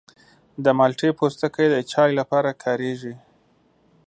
د مالټې پوستکی د چای لپاره کارېږي.